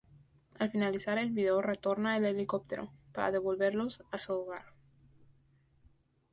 Al finalizar el video retorna el helicóptero, para devolverlos a su hogar.